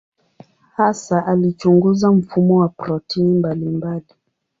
Hasa alichunguza mfumo wa protini mbalimbali.